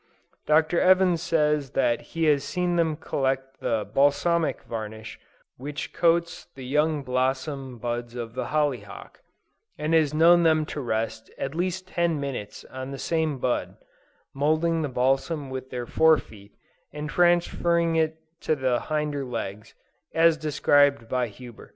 Dr. Evans says that he has seen them collect the balsamic varnish which coats the young blossom buds of the hollyhock, and has known them to rest at least ten minutes on the same bud, moulding the balsam with their fore feet, and transferring it to the hinder legs, as described by Huber.